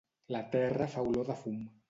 La terra fa olor de fum.